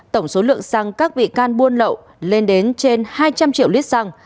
tổng số lượng xăng các bị can buôn lậu lên đến trên hai trăm linh triệu lít xăng